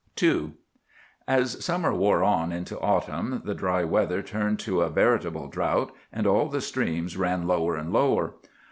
II As summer wore on into autumn the dry weather turned to a veritable drought, and all the streams ran lower and lower.